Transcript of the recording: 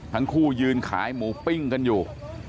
ทั้งคู่ยืนขายหมูปิ้งกันอยู่